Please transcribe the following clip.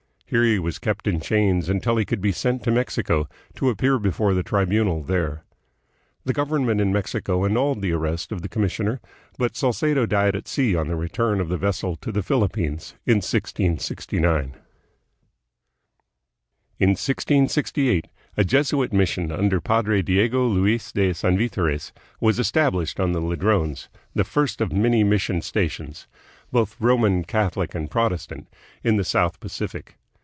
Here he was kept in chains until he could be sent to Mexico, to appear before the Tribunal there. The government in Mexico annulled the arrest of the commissioner, but Salcedo died at sea on the return of the vessel to the Philippines in 1669. Colonization of the Ladrone Islands. In 1668 a Jesuit mission under Padre Diego Luis de Sanvitores was estab lished on the Ladrones, the first of the many mission 214 THE PHILIPPINES. stations, both Roman Catholic and Protestant, in the South Pacific.